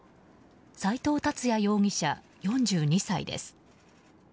斉藤竜也容疑者、４２歳です。